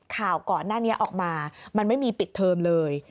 ข่าวก่อนหน้านี้ออกมามันไม่มีปิดเทอมเลย